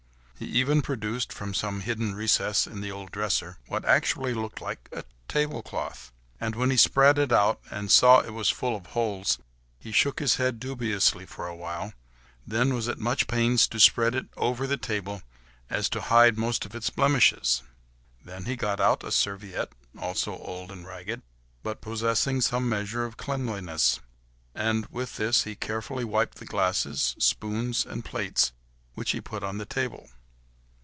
He even produced, from some hidden recess in the old dresser, what actually looked like a table cloth; and when he spread it out, and saw it was full of holes, he shook his head dubiously for a while, then was at much pains so to spread it over the table as to hide most of its blemishes. Then he got out a serviette, also old and ragged, but possessing some measure of cleanliness, and with this he carefully wiped the glasses, spoons and plates, which he put on the table.